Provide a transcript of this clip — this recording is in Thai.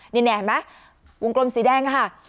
นี่เห็นไหมวงกลมสีแดงค่ะ